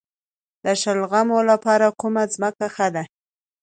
د شلغمو لپاره کومه ځمکه ښه ده؟